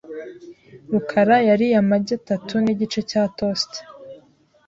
rukara yariye amagi atatu nigice cya toast .